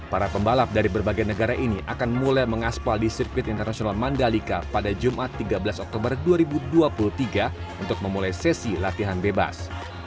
para pembalap dari berbagai negara ini akan mulai mengaspal di sirkuit internasional mandalika pada jumat tiga belas oktober dua ribu dua puluh tiga untuk memulai sesi latihan bebas